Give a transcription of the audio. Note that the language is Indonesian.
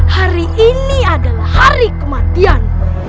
hari ini adalah hari kematian